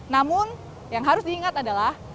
namun yang harus diingat adalah